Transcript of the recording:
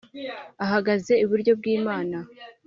Ahagaze iburyo bw imana